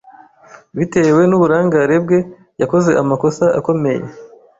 Bitewe n'uburangare bwe, yakoze amakosa akomeye.